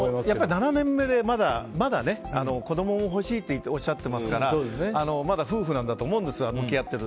７年目でまだ子供も欲しいとおっしゃってますからまだ夫婦何だと思うんです向き合ってる。